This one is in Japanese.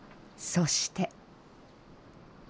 そして。